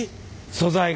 素材が？